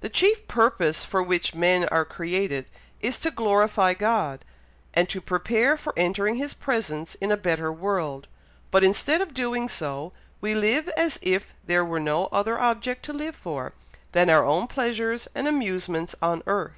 The chief purpose for which men are created, is to glorify God, and to prepare for entering his presence in a better world; but instead of doing so, we live as if there were no other object to live for, than our own pleasures and amusements on earth.